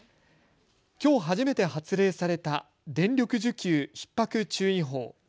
きょう初めて発令された電力需給ひっ迫注意報。